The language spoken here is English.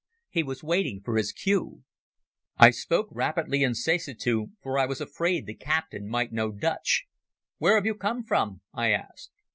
He was waiting for his cue. I spoke rapidly in Sesutu, for I was afraid the captain might know Dutch. "Where have you come from?" I asked.